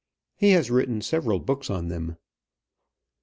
He has written several books on them.